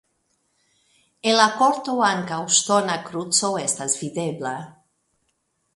En la korto ankaŭ ŝtona kruco estas videbla.